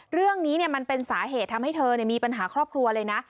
เรื่องนี้มันเป็นสาเหตุทำให้เธอมีปัญหาครอบครัวเลยนะ